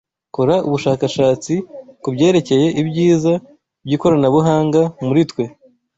Kora ubushakashatsi kubyerekeye ibyiza by'ikoranabuhanga muri twe